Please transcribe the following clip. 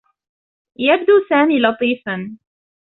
يبدو سامي لطيفا.